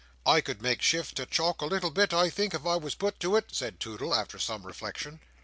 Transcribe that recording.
"I could make shift to chalk a little bit, I think, if I was put to it," said Toodle after some reflection.